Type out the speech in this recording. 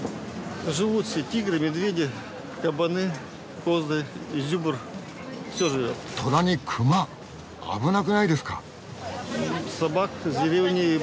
危なくないですか？